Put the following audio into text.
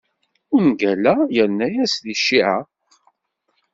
Ungal-a yerna-yas deg cciɛa.